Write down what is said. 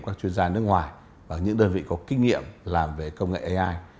các chuyên gia nước ngoài và những đơn vị có kinh nghiệm làm về công nghệ ai